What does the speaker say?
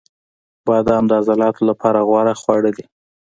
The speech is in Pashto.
• بادام د عضلاتو لپاره غوره خواړه دي.